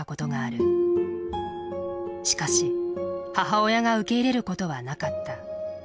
しかし母親が受け入れることはなかった。